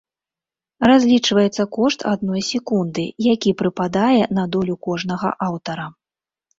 Разлічваецца кошт адной секунды, які прыпадае на долю кожнага аўтара.